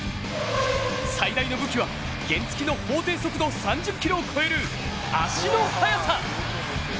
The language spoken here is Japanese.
最大の武器は原付の法定速度３０キロを超える足の速さ。